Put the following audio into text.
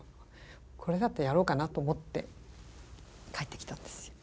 これだったらやろうかなと思って帰ってきたんですよ。